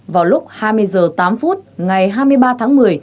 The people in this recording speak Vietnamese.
vào lúc hai mươi h tám phút ngày hai mươi ba tháng một mươi